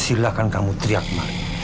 silahkan kamu teriak marnie